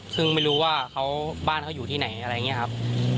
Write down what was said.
ซึ่งไม่รู้ว่าบ้านเขาอยู่ที่ไหนอะไรอย่างนี้ครับ